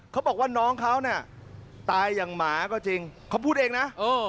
เขาบอกว่าน้องเขาเนี่ยตายอย่างหมาก็จริงเขาพูดเองนะ